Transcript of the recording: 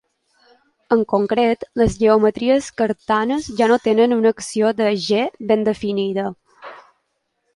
En concret, les geometries cartanes ja no tenen una acció de "G" ben definida.